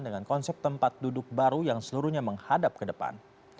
dengan konsep tempat duduk baru yang seluruhnya menghadap ke depan